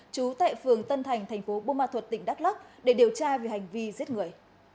trú tại phường tân thành thành phố bô ma thuật tỉnh đắk lắc để điều tra về hành vi giết người